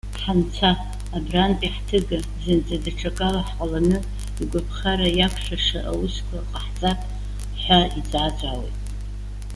Ҳанцәа! Абрантәи ҳҭыга, зынӡа даҽакала ҳҟаланы, игәаԥхара иақәшәаша аусқәа ҟаҳҵап,- ҳәа иҵәаа-ҵәаауеит.